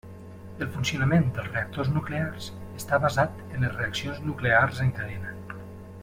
El funcionament dels reactors nuclears està basat en les reaccions nuclears en cadena.